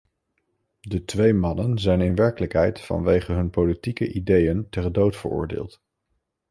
De twee mannen zijn in werkelijkheid vanwege hun politieke ideeën ter dood veroordeeld.